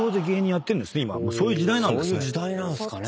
そういう時代なんすかね。